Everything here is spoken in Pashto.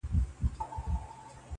که مي د دې وطن له کاڼي هم کالي څنډلي.